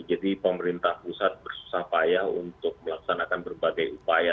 jadi pemerintah pusat bersusah payah untuk melaksanakan berbagai upaya